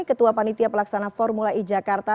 ketua panitia pelaksana formula e jakarta